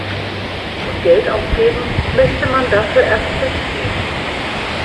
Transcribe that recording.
Und Geld ausgeben möchte man dafür erst recht nicht.